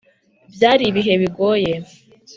Byari ibihe bigoye!